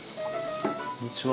こんにちは。